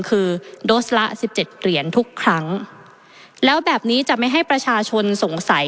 คือโดสละสิบเจ็ดเหรียญทุกครั้งแล้วแบบนี้จะไม่ให้ประชาชนสงสัย